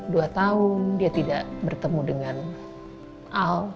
dua tahun dia tidak bertemu dengan al